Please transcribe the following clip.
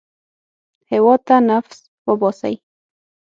هېواد ته نفس وباسئ